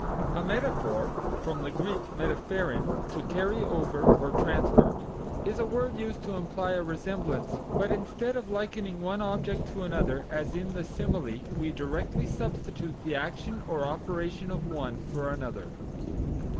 A Metaphor (from the Greek metapherein, to carry over or transfer), is a word used to imply a resemblance but instead of likening one object to another as in the simile we directly substitute the action or operation of one for another.